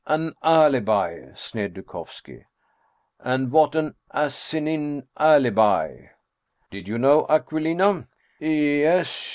" An alibi," sneered Dukovski ;" and what an asinine alibi !"" Did you know Aquilina